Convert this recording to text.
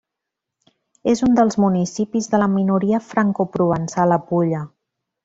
És un dels municipis de la minoria francoprovençal a Pulla.